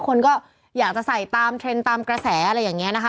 คนก็อยากจะใส่ตามเทรนด์ตามกระแสอะไรอย่างนี้นะคะ